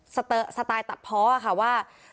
สเตอร์สไตล์ตัดพ้ออ่ะค่ะ